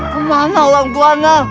kemana orang tuanya